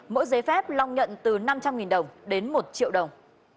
mỗi giấy phép long nhận từ năm trăm linh đồng đến một triệu đồng